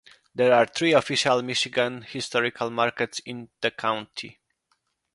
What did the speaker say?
There are three official Michigan historical markers in the county.